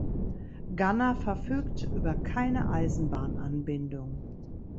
Ganna verfügt über keine Eisenbahnanbindung.